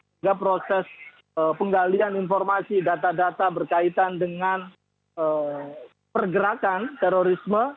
sehingga proses penggalian informasi data data berkaitan dengan pergerakan terorisme